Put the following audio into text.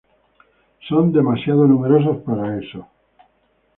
Son demasiado numerosos para eso.